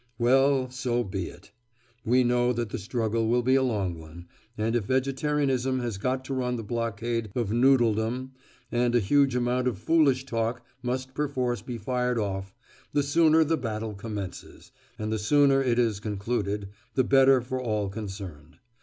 Well, so be it! We know that the struggle will be a long one, and if vegetarianism has got to run the blockade of Noodledom, and a huge amount of foolish talk must perforce be fired off, the sooner the battle commences, and the sooner it is concluded, the better for all concerned.